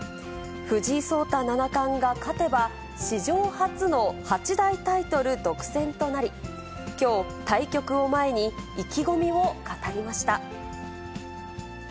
藤井聡太七冠が勝てば、史上初の八大タイトル独占となり、きょう、対局を前に、意気込みを語りました。